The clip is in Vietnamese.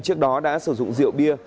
trước đó đã sử dụng rượu bia